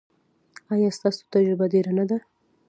ایا ستاسو تجربه ډیره نه ده؟